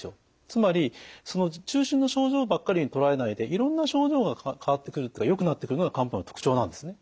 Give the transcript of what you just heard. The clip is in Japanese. つまりその中心の症状ばっかりにとらわれないでいろんな症状が変わってくるよくなってくるのが漢方の特徴なんですね。